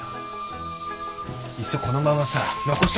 いっそこのままさ残し。